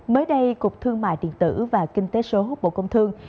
mới đây cục thương mại điện tử và kinh tế số bộ công thương